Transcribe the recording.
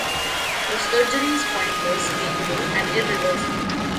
The surgery is pointless, painful and irreversible.